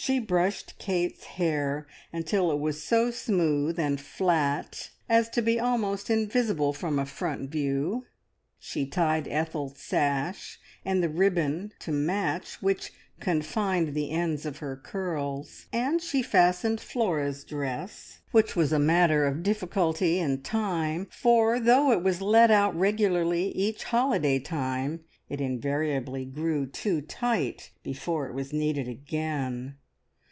She brushed Kate's hair until it was so smooth and flat as to be almost invisible from a front view; she tied Ethel's sash, and the ribbon to match which confined the ends of her curls; and she fastened Flora's dress, which was a matter of difficulty and time, for though it was let out regularly each holiday time, it invariably grew too tight before it was needed again.